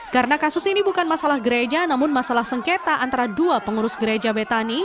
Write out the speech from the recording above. karena kasus ini bukan masalah gereja namun masalah sengketa antara dua pengurus gereja betani